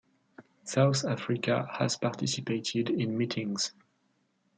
South Africa has participated in meetings.